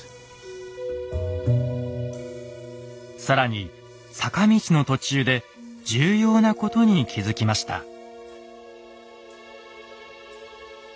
更に坂道の途中で重要なことに気付きました。